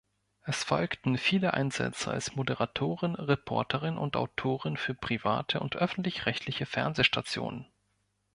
Es folgten viele Einsätze als Moderatorin, Reporterin und Autorin für private und öffentlich-rechtliche Fernsehstationen.